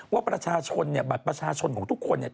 ว่าประชาชนเนี่ยบัตรประชาชนของทุกคนเนี่ย